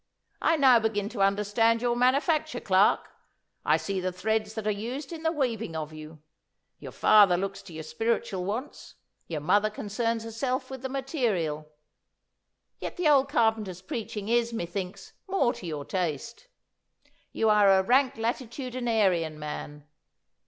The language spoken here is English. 'I now begin to understand your manufacture, Clarke. I see the threads that are used in the weaving of you. Your father looks to your spiritual wants. Your mother concerns herself with the material. Yet the old carpenter's preaching is, methinks, more to your taste. You are a rank latitudinarian, man.